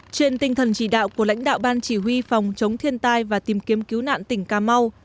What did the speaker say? trên tinh thần chỉ đạo của lãnh đạo ban chỉ huy phòng chống thiên tai và tìm kiếm cứu nạn tỉnh cà mau